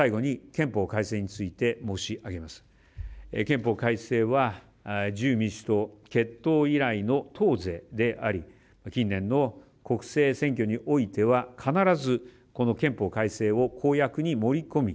憲法改正は自由民主党結党以来の党是であり近年の国政選挙においては必ずこの憲法改正を公約に盛り込み